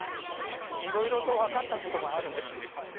いろいろとわかった事があるんです。